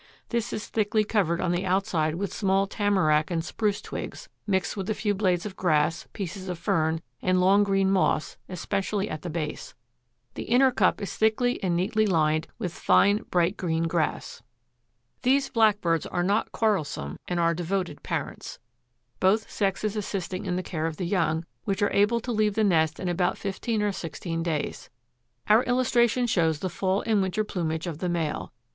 This is thickly covered on the outside with small tamarack and spruce twigs, mixed with a few blades of grass, pieces of fern and long green moss, especially at the base. The inner cup is thickly and neatly lined with fine bright green grass." These blackbirds are not quarrelsome and are devoted parents, both sexes assisting in the care of the young, which are able to leave the nest in about fifteen or sixteen days. Our illustration shows the fall and winter plumage of the male.